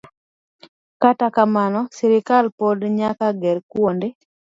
Kata kamano, sirkal pod nyaka ger kuonde